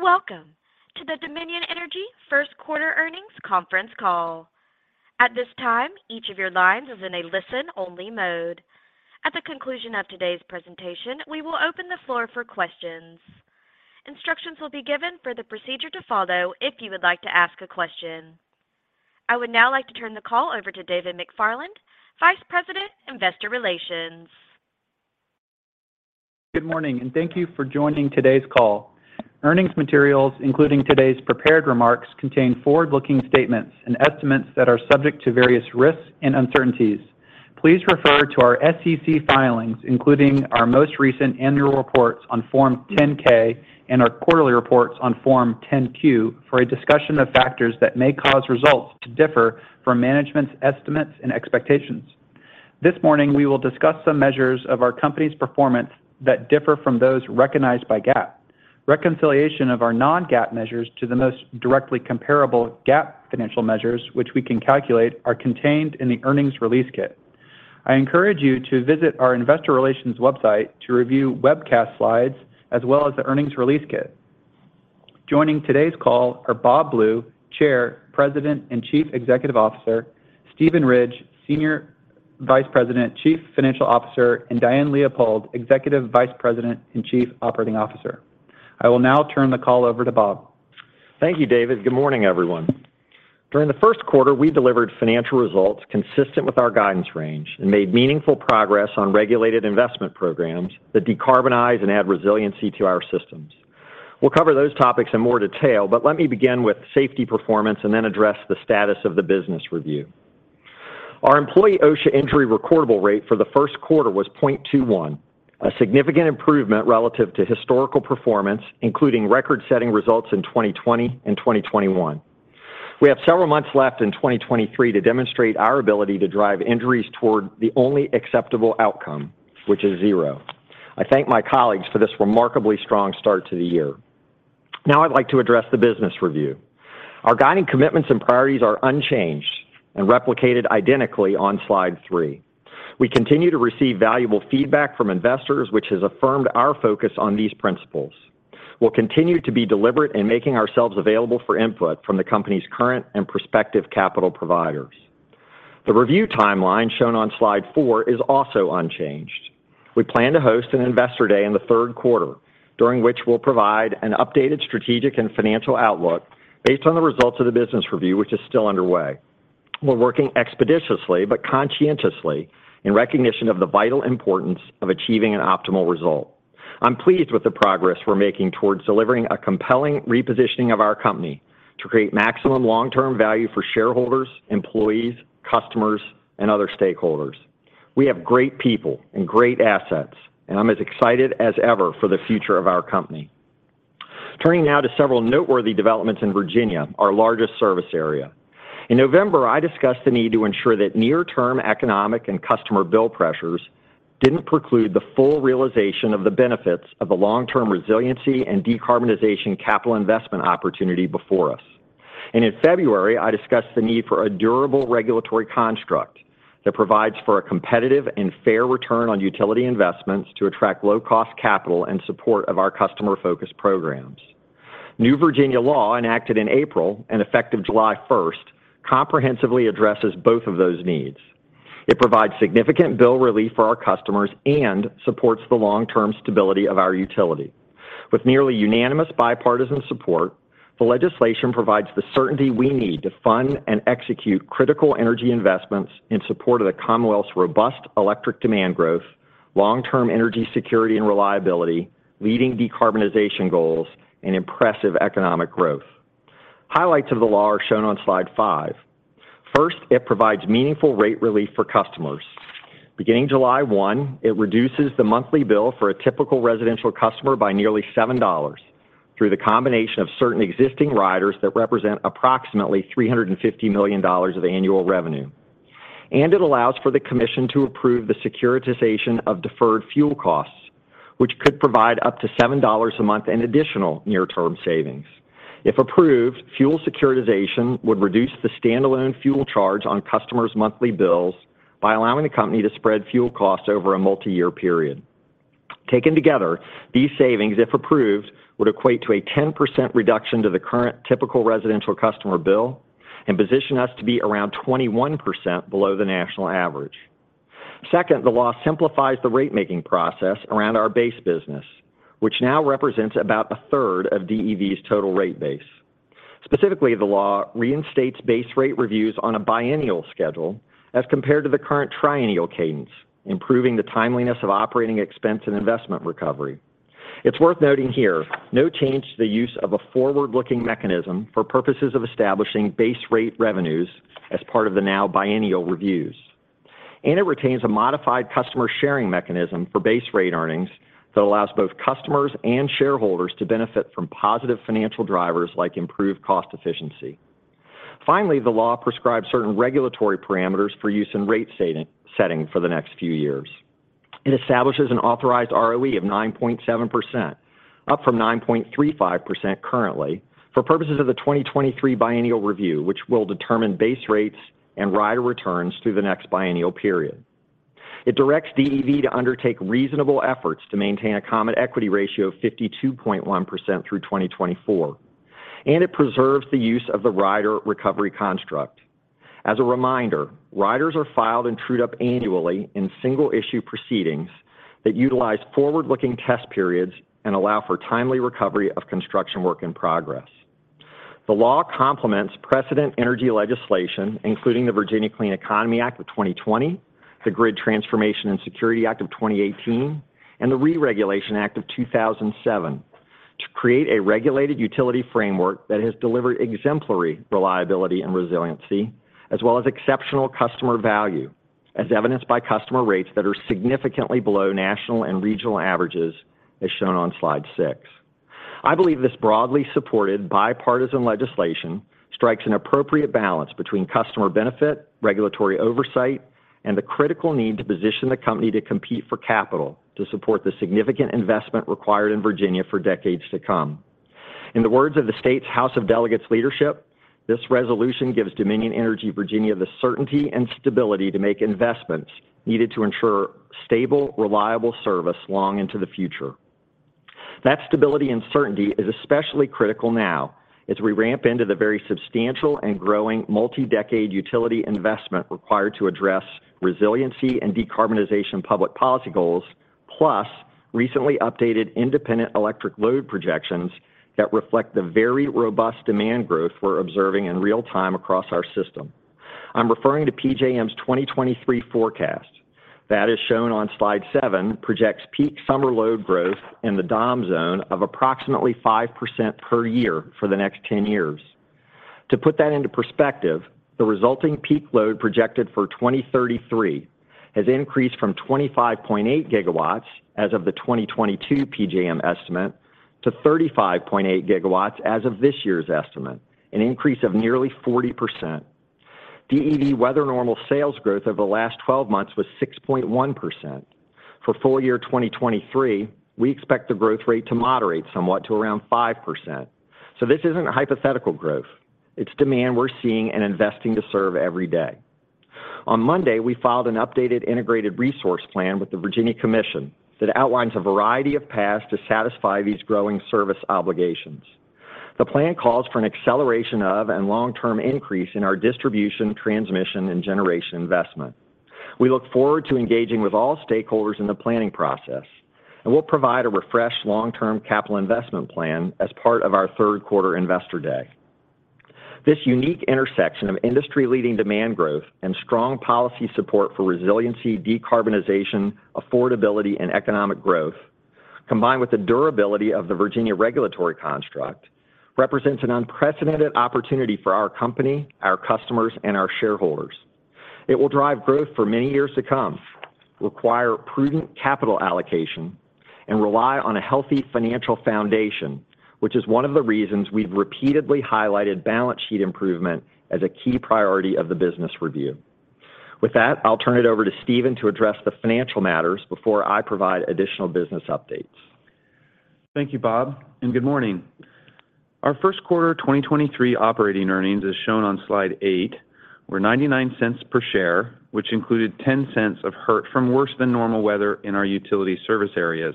Welcome to the Dominion Energy first quarter earnings conference call. At this time, each of your lines is in a listen-only mode. At the conclusion of today's presentation, we will open the floor for questions. Instructions will be given for the procedure to follow if you would like to ask a question. I would now like to turn the call over to David McFarland, Vice President, Investor Relations. Good morning, and thank you for joining today's call. Earnings materials, including today's prepared remarks, contain forward-looking statements and estimates that are subject to various risks and uncertainties. Please refer to our SEC filings, including our most recent Annual Reports on Form 10-K and our Quarterly Reports on Form 10-Q, for a discussion of factors that may cause results to differ from management's estimates and expectations. This morning, we will discuss some measures of our company's performance that differ from those recognized by GAAP. Reconciliation of our non-GAAP measures to the most directly comparable GAAP financial measures, which we can calculate, are contained in the earnings release kit. I encourage you to visit our investor relations website to review webcast slides as well as the earnings release kit. Joining today's call are Bob Blue, Chair, President, and Chief Executive Officer, Steven Ridge, Senior Vice President, Chief Financial Officer, and Diane Leopold, Executive Vice President and Chief Operating Officer. I will now turn the call over to Bob. Thank you, David. Good morning, everyone. During the first quarter, we delivered financial results consistent with our guidance range and made meaningful progress on regulated investment programs that decarbonize and add resiliency to our systems. Let me begin with safety performance and then address the status of the business review. Our employee OSHA injury recordable rate for the first quarter was 0.21, a significant improvement relative to historical performance, including record-setting results in 2020 and 2021. We have several months left in 2023 to demonstrate our ability to drive injuries toward the only acceptable outcome, which is zero. I thank my colleagues for this remarkably strong start to the year. Now I'd like to address the business review. Our guiding commitments and priorities are unchanged and replicated identically on Slide 3. We continue to receive valuable feedback from investors, which has affirmed our focus on these principles. We'll continue to be deliberate in making ourselves available for input from the company's current and prospective capital providers. The review timeline shown on Slide 4 is also unchanged. We plan to host an Investor Day in the third quarter, during which we'll provide an updated strategic and financial outlook based on the results of the business review, which is still underway. We're working expeditiously but conscientiously in recognition of the vital importance of achieving an optimal result. I'm pleased with the progress we're making towards delivering a compelling repositioning of our company to create maximum long-term value for shareholders, employees, customers, and other stakeholders. We have great people and great assets. I'm as excited as ever for the future of our company. Turning now to several noteworthy developments in Virginia, our largest service area. In November, I discussed the need to ensure that near-term economic and customer bill pressures didn't preclude the full realization of the benefits of the long-term resiliency and decarbonization capital investment opportunity before us. In February, I discussed the need for a durable regulatory construct that provides for a competitive and fair return on utility investments to attract low-cost capital in support of our customer-focused programs. New Virginia law enacted in April and effective July 1st comprehensively addresses both of those needs. It provides significant bill relief for our customers and supports the long-term stability of our utility. With nearly unanimous bipartisan support, the legislation provides the certainty we need to fund and execute critical energy investments in support of the Commonwealth's robust electric demand growth, long-term energy security and reliability, leading decarbonization goals, and impressive economic growth. Highlights of the law are shown on Slide 5. First, it provides meaningful rate relief for customers. Beginning July 1, it reduces the monthly bill for a typical residential customer by nearly $7 through the combination of certain existing riders that represent approximately $350 million of annual revenue. It allows for the commission to approve the securitization of deferred fuel costs, which could provide up to $7 a month in additional near-term savings. If approved, fuel securitization would reduce the standalone fuel charge on customers' monthly bills by allowing the company to spread fuel costs over a multi-year period. Taken together, these savings, if approved, would equate to a 10% reduction to the current typical residential customer bill and position us to be around 21% below the national average. Second, the law simplifies the rate-making process around our base business, which now represents about 1/3 of DEV's total rate base. Specifically, the law reinstates base rate reviews on a biennial schedule as compared to the current triennial cadence, improving the timeliness of operating expense and investment recovery. It's worth noting here, no change to the use of a forward-looking mechanism for purposes of establishing base rate revenues as part of the now biennial reviews. It retains a modified customer sharing mechanism for base rate earnings that allows both customers and shareholders to benefit from positive financial drivers like improved cost efficiency. Finally, the law prescribes certain regulatory parameters for use in rate setting for the next few years. It establishes an authorized ROE of 9.7%, up from 9.35% currently, for purposes of the 2023 biennial review, which will determine base rates and rider returns through the next biennial period. It directs DEV to undertake reasonable efforts to maintain a common equity ratio of 52.1% through 2024, and it preserves the use of the rider recovery construct. As a reminder, riders are filed and trued up annually in single issue proceedings that utilize forward-looking test periods and allow for timely recovery of Construction Work in Progress. The law complements precedent energy legislation, including the Virginia Clean Economy Act of 2020, the Grid Transformation and Security Act of 2018, and the Re-Regulation Act of 2007 to create a regulated utility framework that has delivered exemplary reliability and resiliency as well as exceptional customer value, as evidenced by customer rates that are significantly below national and regional averages, as shown on Slide 6. I believe this broadly supported bipartisan legislation strikes an appropriate balance between customer benefit, regulatory oversight, and the critical need to position the company to compete for capital to support the significant investment required in Virginia for decades to come. In the words of the state's House of Delegates leadership, this resolution gives Dominion Energy Virginia the certainty and stability to make investments needed to ensure stable, reliable service long into the future. That stability and certainty is especially critical now as we ramp into the very substantial and growing multi-decade utility investment required to address resiliency and decarbonization public policy goals, plus recently updated independent electric load projections that reflect the very robust demand growth we're observing in real time across our system. I'm referring to PJM's 2023 forecast that is shown on Slide 7projects peak summer load growth in the Dom zone of approximately 5% per year for the next 10 years. To put that into perspective, the resulting peak load projected for 2033 has increased from 25.8 GW as of the 2022 PJM estimate to 35.8 GW as of this year's estimate, an increase of nearly 40%. DEV weather normal sales growth over the last 12 months was 6.1%. For full-year 2023, we expect the growth rate to moderate somewhat to around 5%. This isn't hypothetical growth. It's demand we're seeing and investing to serve every day. On Monday, we filed an updated integrated resource plan with the Virginia Commission that outlines a variety of paths to satisfy these growing service obligations. The plan calls for an acceleration of and long-term increase in our distribution, transmission, and generation investment. We look forward to engaging with all stakeholders in the planning process, and we'll provide a refreshed long-term capital investment plan as part of our third quarter Investor Day. This unique intersection of industry-leading demand growth and strong policy support for resiliency, decarbonization, affordability, and economic growth, combined with the durability of the Virginia regulatory construct, represents an unprecedented opportunity for our company, our customers, and our shareholders. It will drive growth for many years to come, require prudent capital allocation, and rely on a healthy financial foundation, which is one of the reasons we've repeatedly highlighted balance sheet improvement as a key priority of the business review. With that, I'll turn it over to Steven to address the financial matters before I provide additional business updates. Thank you, Bob, and good morning. Our first quarter 2023 operating earnings, as shown on Slide 8, were $0.99 per share, which included $0.10 of hurt from worse than normal weather in our utility service areas.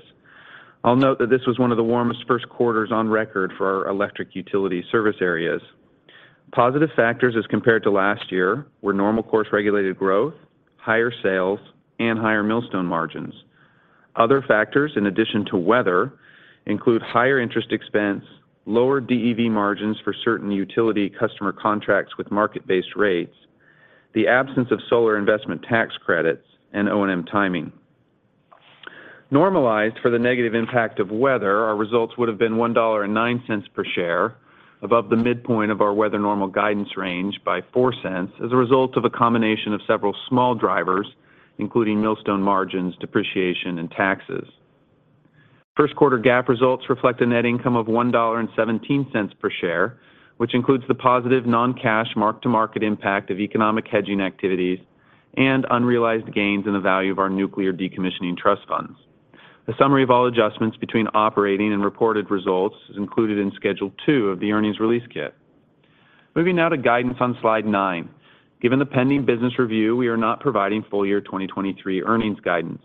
I'll note that this was one of the warmest first quarters on record for our electric utility service areas. Positive factors as compared to last year were normal course regulated growth, higher sales, and higher Millstone margins. Other factors, in addition to weather, include higher interest expense, lower DEV margins for certain utility customer contracts with market-based rates, the absence of solar Investment Tax Credits, and O&M timing. Normalized for the negative impact of weather, our results would have been $1.09 per share above the midpoint of our weather normal guidance range by $0.04 as a result of a combination of several small drivers, including Millstone margins, depreciation, and taxes. First quarter GAAP results reflect a net income of $1.17 per share, which includes the positive non-cash mark-to-market impact of economic hedging activities and unrealized gains in the value of our nuclear decommissioning trust funds. A summary of all adjustments between operating and reported results is included in Schedule 2 of the earnings release kit. Moving now to guidance on Slide 9. Given the pending business review, we are not providing full-year 2023 earnings guidance.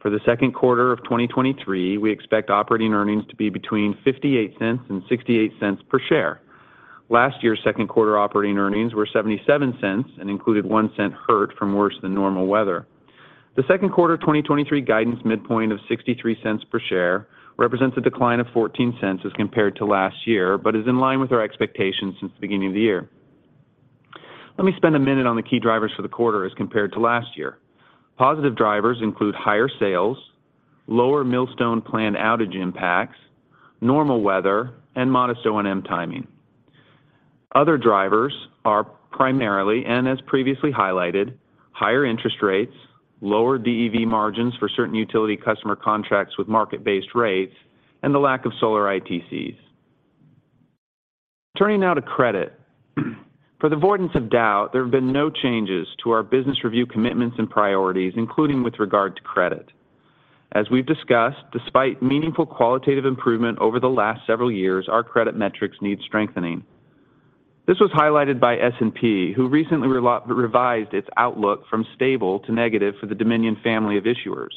For the second quarter of 2023, we expect operating earnings to be between $0.58 and $0.68 per share. Last year's second quarter operating earnings were $0.77 and included $0.01 hurt from worse than normal weather. The second quarter 2023 guidance midpoint of $0.63 per share represents a decline of $0.14 as compared to last year, but is in line with our expectations since the beginning of the year. Let me spend a minute on the key drivers for the quarter as compared to last year. Positive drivers include higher sales, lower Millstone plant outage impacts, normal weather, and modest O&M timing. Other drivers are primarily, and as previously highlighted, higher interest rates, lower DEV margins for certain utility customer contracts with market-based rates, and the lack of solar ITCs. Turning now to Credit. For the avoidance of doubt, there have been no changes to our business review commitments and priorities, including with regard to Credit. As we've discussed, despite meaningful qualitative improvement over the last several years, our Credit metrics need strengthening. This was highlighted by S&P, who recently revised its outlook from stable to negative for the Dominion family of issuers.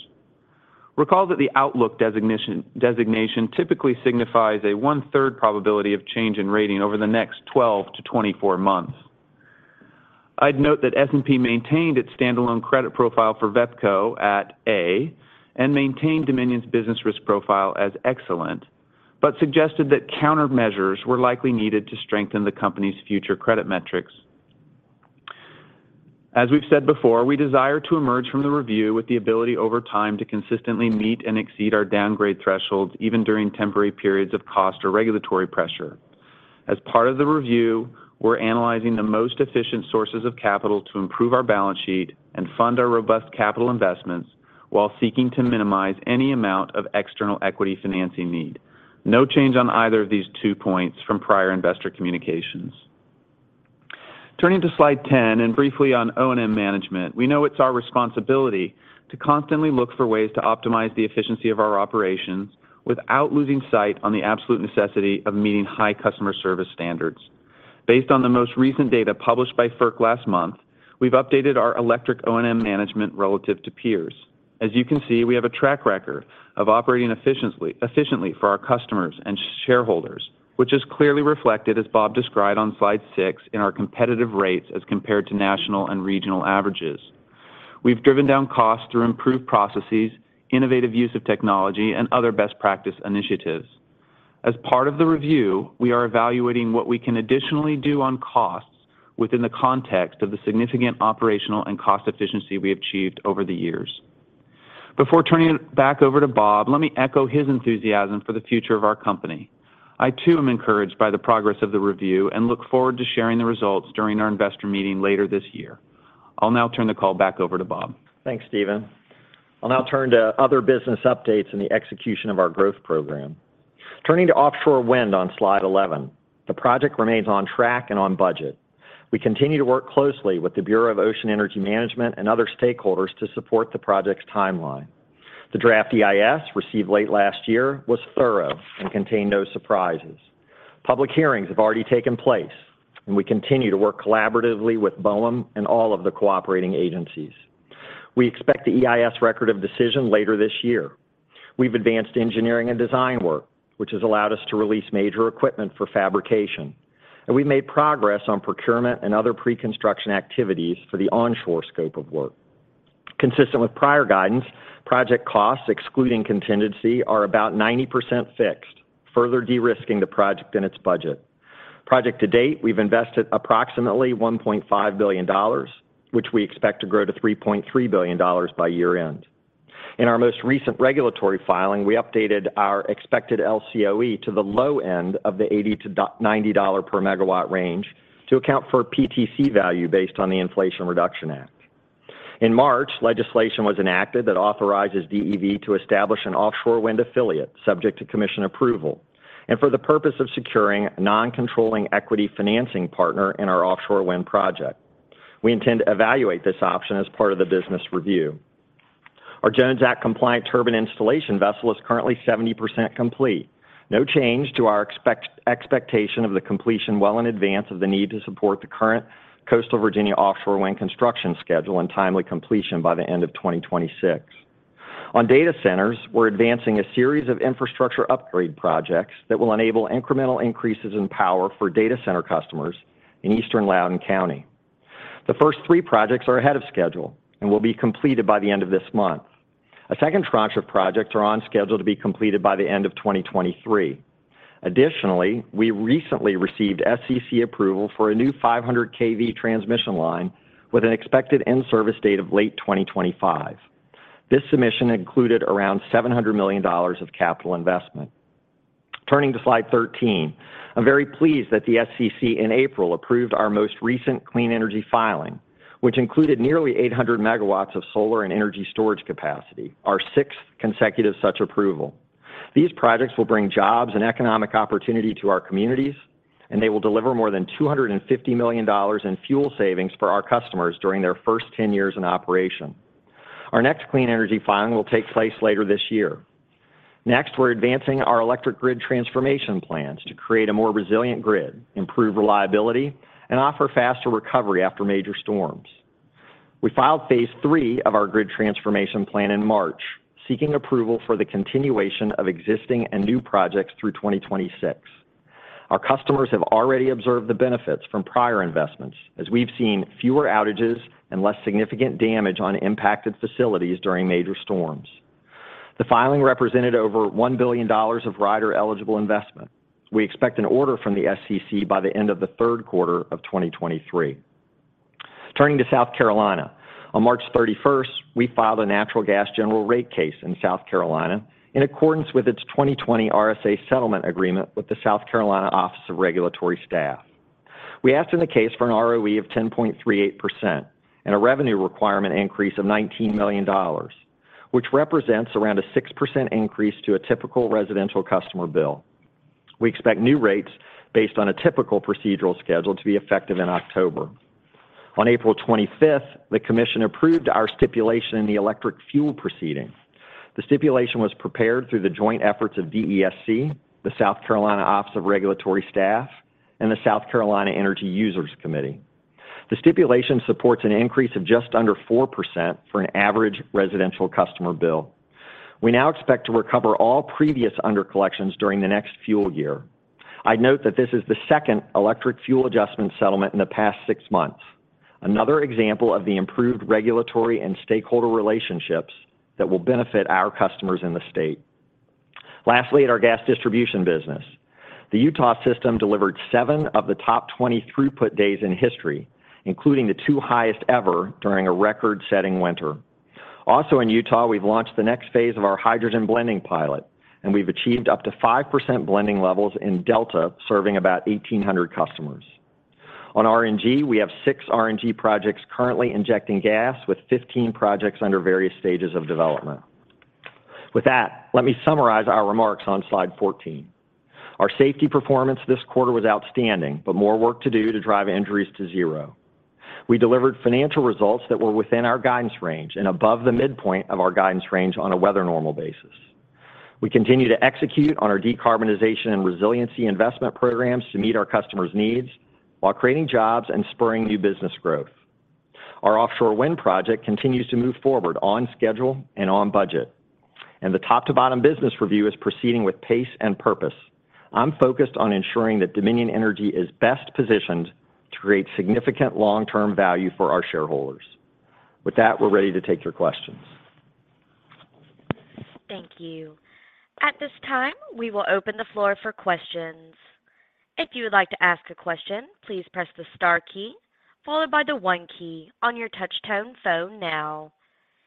Recall that the outlook designation typically signifies a one-third probability of change in rating over the next 12-24 months. I'd note that S&P maintained its standalone credit profile for VEPCO at A and maintained Dominion's business risk profile as excellent, but suggested that countermeasures were likely needed to strengthen the company's future credit metrics. As we've said before, we desire to emerge from the review with the ability over time to consistently meet and exceed our downgrade thresholds, even during temporary periods of cost or regulatory pressure. As part of the review, we're analyzing the most efficient sources of capital to improve our balance sheet and fund our robust capital investments while seeking to minimize any amount of external equity financing need. No change on either of these two points from prior investor communications. Turning to Slide 10 and briefly on O&M management, we know it's our responsibility to constantly look for ways to optimize the efficiency of our operations without losing sight on the absolute necessity of meeting high customer service standards. Based on the most recent data published by FERC last month, we've updated our electric O&M management relative to peers. As you can see, we have a track record of operating efficiently for our customers and shareholders, which is clearly reflected, as Bob described on Slide 6, in our competitive rates as compared to national and regional averages. We've driven down costs through improved processes, innovative use of technology, and other best practice initiatives. As part of the review, we are evaluating what we can additionally do on costs within the context of the significant operational and cost efficiency we achieved over the years. Before turning it back over to Bob, let me echo his enthusiasm for the future of our company. I, too, am encouraged by the progress of the review and look forward to sharing the results during our investor meeting later this year. I'll now turn the call back over to Bob. Thanks, Steven. I'll now turn to other business updates and the execution of our growth program. Turning to offshore wind on Slide 11, the project remains on track and on budget. We continue to work closely with the Bureau of Ocean Energy Management and other stakeholders to support the project's timeline. The draft EIS received late last year was thorough and contained no surprises. Public hearings have already taken place, we continue to work collaboratively with BOEM and all of the cooperating agencies. We expect the EIS record of decision later this year. We've advanced engineering and design work, which has allowed us to release major equipment for fabrication. We've made progress on procurement and other pre-construction activities for the onshore scope of work. Consistent with prior guidance, project costs, excluding contingency, are about 90% fixed, further de-risking the project and its budget. Project to date, we've invested approximately $1.5 billion, which we expect to grow to $3.3 billion by year-end. In our most recent regulatory filing, we updated our expected LCOE to the low end of the $80-$90 per megawatt range to account for PTC value based on the Inflation Reduction Act. In March, legislation was enacted that authorizes DEV to establish an offshore wind affiliate subject to commission approval and for the purpose of securing a non-controlling equity financing partner in our offshore wind project. We intend to evaluate this option as part of the business review. Our Jones Act-compliant turbine installation vessel is currently 70% complete. No change to our expectation of the completion well in advance of the need to support the current Coastal Virginia Offshore Wind construction schedule and timely completion by the end of 2026. On data centers, we're advancing a series of infrastructure upgrade projects that will enable incremental increases in power for data center customers in eastern Loudoun County. The first three projects are ahead of schedule and will be completed by the end of this month. A second tranche of projects are on schedule to be completed by the end of 2023. Additionally, we recently received SEC approval for a new 500 kV transmission line with an expected in-service date of late 2025. This submission included around $700 million of capital investment. Turning to Slide 13, I'm very pleased that the SEC in April approved our most recent clean energy filing, which included nearly 800 MW of solar and energy storage capacity, our 6th consecutive such approval. These projects will bring jobs and economic opportunity to our communities, and they will deliver more than $250 million in fuel savings for our customers during their first 10 years in operation. Our next clean energy filing will take place later this year. Next, we're advancing our electric grid transformation plans to create a more resilient grid, improve reliability, and offer faster recovery after major storms. We filed Phase 3 of our grid transformation plan in March, seeking approval for the continuation of existing and new projects through 2026. Our customers have already observed the benefits from prior investments as we've seen fewer outages and less significant damage on impacted facilities during major storms. The filing represented over $1 billion of rider-eligible investment. We expect an order from the SEC by the end of the third quarter of 2023. Turning to South Carolina, on March 31st, we filed a natural gas general rate case in South Carolina in accordance with its 2020 RSA settlement agreement with the South Carolina Office of Regulatory Staff. We asked in the case for an ROE of 10.38% and a revenue requirement increase of $19 million, which represents around a 6% increase to a typical residential customer bill. We expect new rates based on a typical procedural schedule to be effective in October. On April 25th, the commission approved our stipulation in the electric fuel proceeding. The stipulation was prepared through the joint efforts of DESC, the South Carolina Office of Regulatory Staff, and the South Carolina Energy Users Committee. The stipulation supports an increase of just under 4% for an average residential customer bill. We now expect to recover all previous under-collections during the next fuel year. I'd note that this is the second electric fuel adjustment settlement in the past six months, another example of the improved regulatory and stakeholder relationships that will benefit our customers in the state. Lastly, at our gas distribution business, the Utah system delivered 7 of the top 20 throughput days in history, including the two highest ever during a record-setting winter. Also in Utah, we've launched the next phase of our hydrogen blending pilot, and we've achieved up to 5% blending levels in Delta, serving about 1,800 customers. On RNG, we have six RNG projects currently injecting gas, with 15 projects under various stages of development. With that, let me summarize our remarks on Slide 14. Our safety performance this quarter was outstanding, but more work to do to drive injuries to zero. We delivered financial results that were within our guidance range and above the midpoint of our guidance range on a weather normal basis. We continue to execute on our decarbonization and resiliency investment programs to meet our customers' needs while creating jobs and spurring new business growth. Our Offshore wind project continues to move forward on schedule and on budget. The top-to-bottom business review is proceeding with pace and purpose. I'm focused on ensuring that Dominion Energy is best positioned to create significant long-termQ value for our shareholders. With that, we're ready to take your questions. Thank you. At this time, we will open the floor for questions. If you would like to ask a question, please press the Star key, followed by the one key on your touch tone phone now.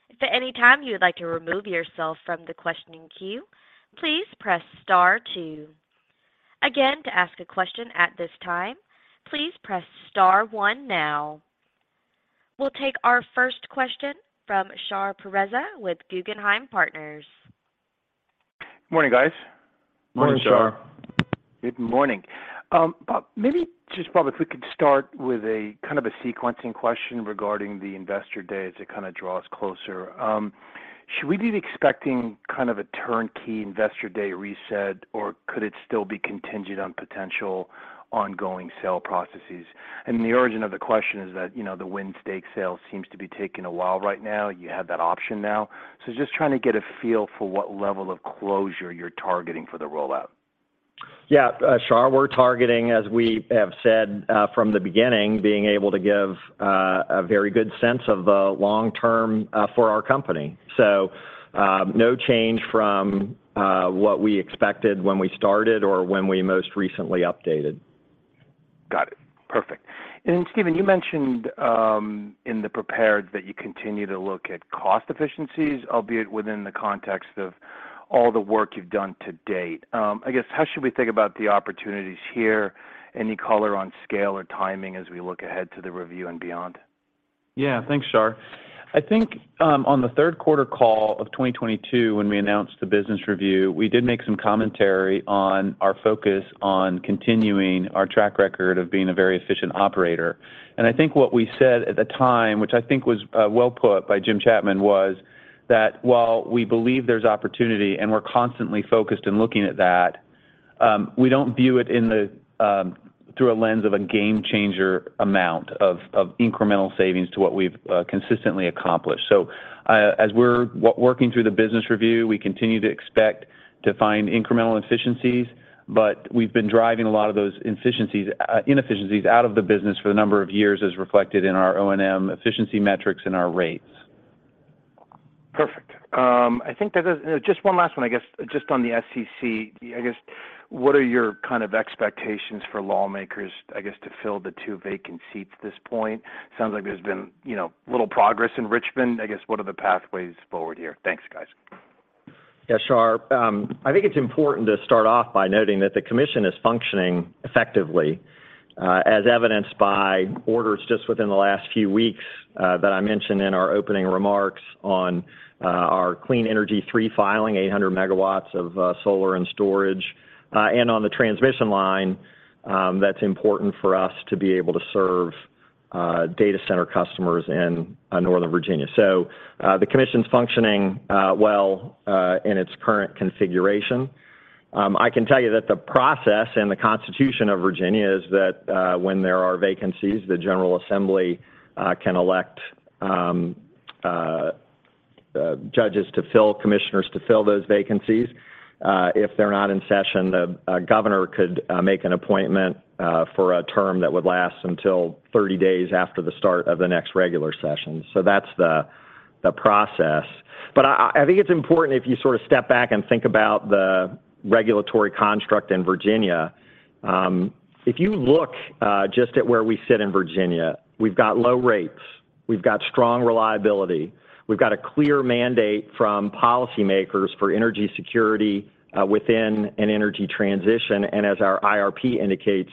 If at any time you would like to remove yourself from the questioning queue, please press Star two. Again, to ask a question at this time, please press Star one now. We'll take our first question from Shar Pourreza with Guggenheim Partners. Good morning, guys. Morning, Shar. Good morning. Bob, if we could start with a kind of a sequencing question regarding the Investor Day as it kind of draws closer. Should we be expecting kind of a turnkey Investor Day reset, or could it still be contingent on potential ongoing sale processes? The origin of the question is that, you know, the wind stake sale seems to be taking a while right now. You have that option now. Just trying to get a feel for what level of closure you're targeting for the rollout. Yeah. Shar, we're targeting, as we have said, from the beginning, being able to give, a very good sense of, long-term, for our company. No change from, what we expected when we started or when we most recently updated. Got it. Perfect. Steven, you mentioned, in the prepared that you continue to look at cost efficiencies, albeit within the context of all the work you've done to date. How should we think about the opportunities here? Any color on scale or timing as we look ahead to the review and beyond? Yeah. Thanks, Shar. I think, on the third quarter call of 2022 when we announced the business review, we did make some commentary on our focus on continuing our track record of being a very efficient operator. I think what we said at the time, which I think was well put by Jim Chapman, was that while we believe there's opportunity and we're constantly focused in looking at that, we don't view it in the, through a lens of a game changer amount of incremental savings to what we've consistently accomplished. As we're working through the business review, we continue to expect to find incremental efficiencies, but we've been driving a lot of those inefficiencies out of the business for the number of years as reflected in our O&M efficiency metrics and our rates. Perfect. I think there's just one last one, I guess, just on the SEC. I guess, what are your kind of expectations for lawmakers, I guess, to fill the two vacant seats at this point? Sounds like there's been, you know, little progress in Richmond. I guess, what are the pathways forward here? Thanks, guys. Shar. I think it's important to start off by noting that the commission is functioning effectively, as evidenced by orders just within the last few weeks, that I mentioned in our opening remarks on our Clean Energy 3 filing, 800 MW of solar and storage, and on the transmission line, that's important for us to be able to serve data center customers in Northern Virginia. The commission's functioning well in its current configuration. I can tell you that the process and the constitution of Virginia is that when there are vacancies, the General Assembly can elect commissioners to fill those vacancies. If they're not in session, the governor could make an appointment for a term that would last until 30 days after the start of the next regular session. That's the process. I, I think it's important if you sort of step back and think about the regulatory construct in Virginia. If you look just at where we sit in Virginia, we've got low rates, we've got strong reliability, we've got a clear mandate from policymakers for energy security within an energy transition, and as our IRP indicates,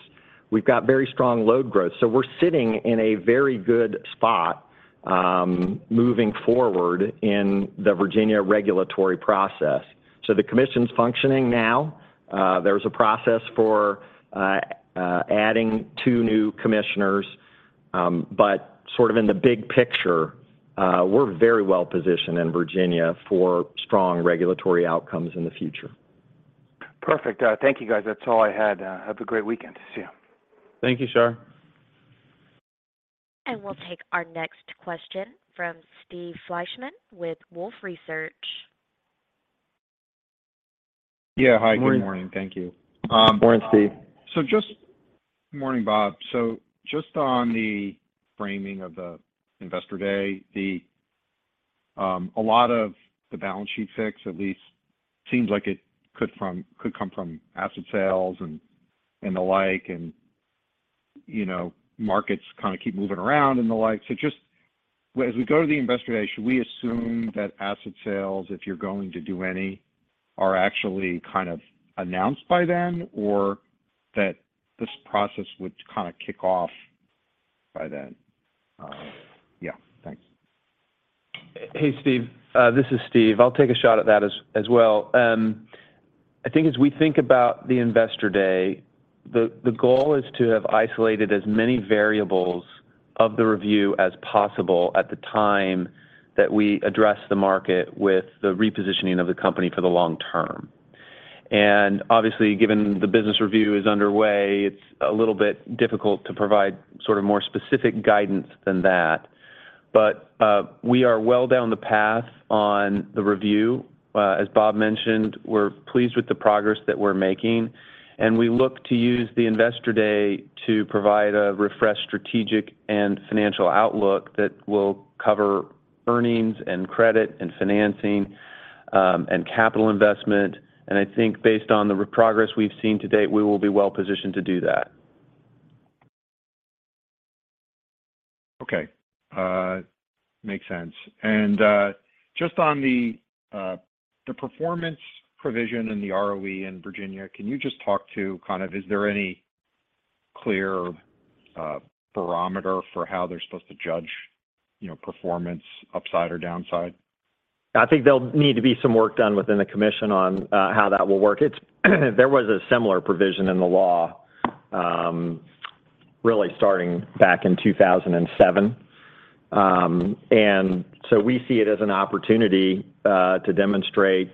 we've got very strong load growth. We're sitting in a very good spot, moving forward in the Virginia regulatory process. The Commission's functioning now. There's a process for adding two new commissioners. Sort of in the big picture, we're very well-positioned in Virginia for strong regulatory outcomes in the future. Perfect. Thank you, guys. That's all I had. Have a great weekend. See you. Thank you, Shar. We'll take our next question from Steve Fleishman with Wolfe Research. Yeah. Hi. Good morning. Thank you. Good morning, Steve. Good morning, Bob. Just on the framing of the Investor Day, the, a lot of the balance sheet fix at least seems like it could come from asset sales and the like, and, you know, markets kinda keep moving around and the like. Just as we go to the Investor Day, should we assume that asset sales, if you're going to do any, are actually kind of announced by then, or that this process would kinda kick off by then? Yeah. Thanks. Hey, Steve. This is Steve. I'll take a shot at that as well. I think as we think about the Investor Day, the goal is to have isolated as many variables of the review as possible at the time that we address the market with the repositioning of the company for the long-term. Obviously, given the business review is underway, it's a little bit difficult to provide sort of more specific guidance than that. We are well down the path on the review. As Bob mentioned, we're pleased with the progress that we're making, and we look to use the investor day to provide a refreshed strategic and financial outlook that will cover earnings and credit and financing, and capital investment. I think based on the progress we've seen to date, we will be well positioned to do that. Okay. makes sense. Just on the performance provision and the ROE in Virginia, can you just talk to kind of is there any clear barometer for how they're supposed to judge, you know, performance upside or downside? I think there'll need to be some work done within the commission on, how that will work. There was a similar provision in the law, really starting back in 2007. We see it as an opportunity, to demonstrate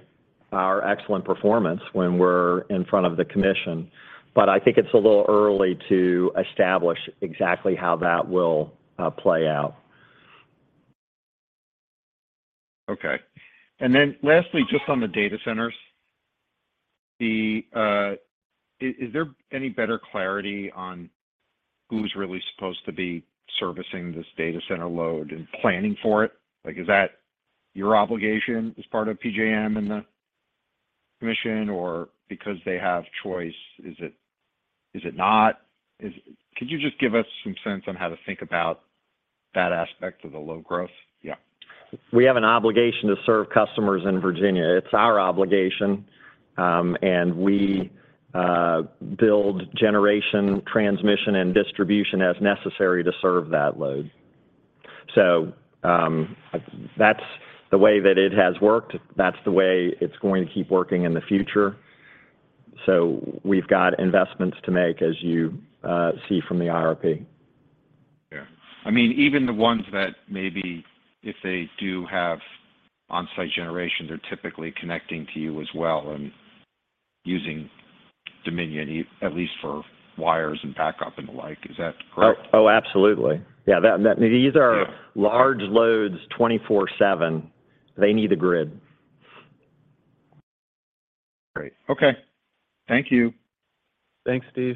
our excellent performance when we're in front of the commission. I think it's a little early to establish exactly how that will, play out. Okay. Lastly, just on the data centers, the. Is there any better clarity on who's really supposed to be servicing this data center load and planning for it? Like, is that your obligation as part of PJM and the commission, or because they have choice, is it not? Could you just give us some sense on how to think about that aspect of the low growth? Yeah. We have an obligation to serve customers in Virginia. It's our obligation. We build generation, transmission, and distribution as necessary to serve that load. That's the way that it has worked. That's the way it's going to keep working in the future. We've got investments to make, as you see from the IRP. Yeah. I mean, even the ones that maybe if they do have on-site generation, they're typically connecting to you as well and using Dominion, at least for wires and backup and the like. Is that correct? Oh, absolutely. Yeah. These are large loads 24/7. They need the grid. Great. Okay. Thank you. Thanks, Steve.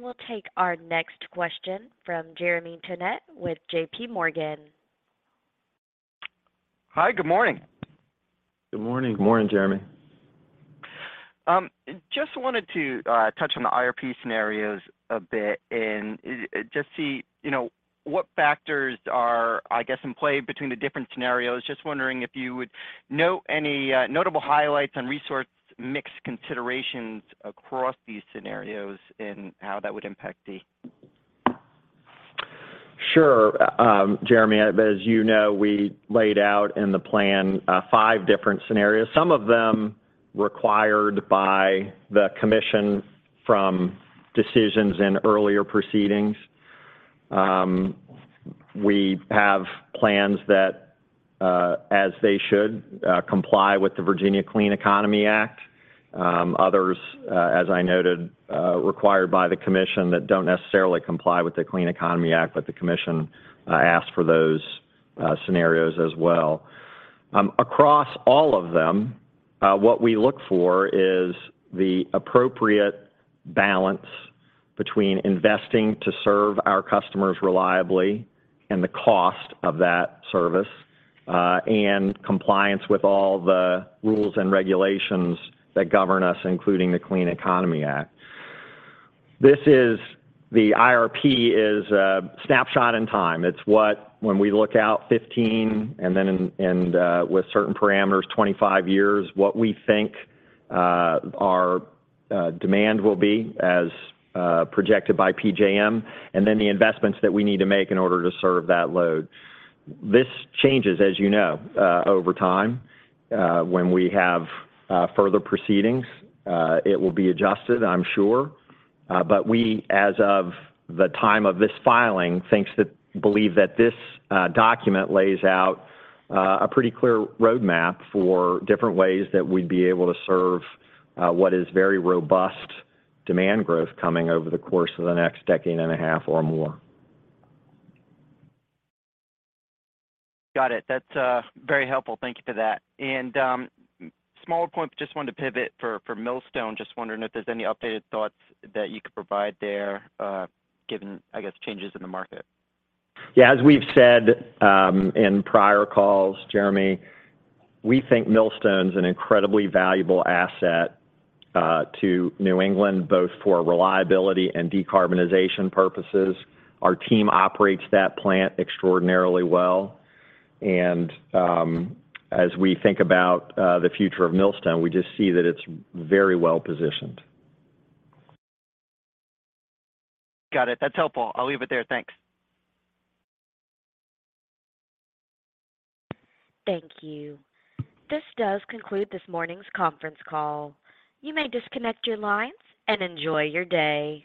We'll take our next question from Jeremy Tonet with JPMorgan. Hi. Good morning. Good morning. Good morning, Jeremy. Just wanted to touch on the IRP scenarios a bit and just see, you know, what factors are, I guess, in play between the different scenarios. Just wondering if you would note any notable highlights on resource mix considerations across these scenarios and how that would impact. Sure, Jeremy. As you know, we laid out in the plan, five different scenarios. Some of them required by the Commission from decisions in earlier proceedings. We have plans that, as they should, comply with the Virginia Clean Economy Act. Others, as I noted, required by the Commission that don't necessarily comply with the Clean Economy Act, but the Commission asked for those scenarios as well. Across all of them, what we look for is the appropriate balance between investing to serve our customers reliably and the cost of that service, and compliance with all the rules and regulations that govern us, including the Clean Economy Act. The IRP is a snapshot in time. It's what when we look out 15 and then with certain parameters, 25 years, what we think our demand will be as projected by PJM, and then the investments that we need to make in order to serve that load. This changes, as you know, over time. When we have further proceedings, it will be adjusted, I'm sure. We, as of the time of this filing, believe that this document lays out a pretty clear roadmap for different ways that we'd be able to serve what is very robust demand growth coming over the course of the next decade and a half or more. Got it. That's very helpful. Thank you for that. Small point, but just wanted to pivot for Millstone. Just wondering if there's any updated thoughts that you could provide there, given, I guess, changes in the market. Yeah. As we've said, in prior calls, Jeremy, we think Millstone's an incredibly valuable asset to New England, both for reliability and decarbonization purposes. Our team operates that plant extraordinarily well. As we think about the future of Millstone, we just see that it's very well-positioned. Got it. That's helpful. I'll leave it there. Thanks. Thank you. This does conclude this morning's conference call. You may disconnect your lines and enjoy your day.